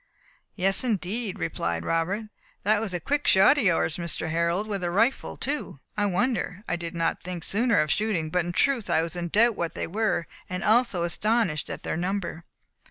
"Yes, indeed," replied Robert; "and that was a quick shot of yours, Mr. Harold with a rifle too. I wonder I did not think sooner of shooting; but in truth I was in doubt what they were, and also astonished at their number."